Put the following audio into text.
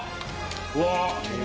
うわ！